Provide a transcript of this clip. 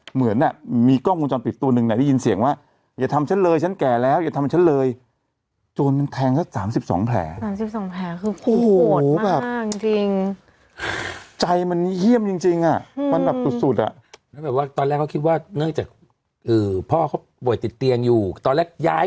โฮล์อินเทนซีฟโบทานีเซรั่มเซรั่มลดเลือนริ้วรอย